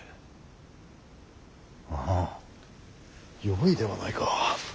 よいではないか。